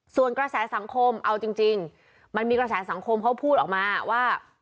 ส่วนกระแสสังคมเอาจริงมันมีกระแสสังคมเขาพูดออกมาว่า